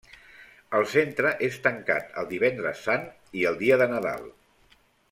El centre és tancat el Divendres Sant i el Dia de Nadal.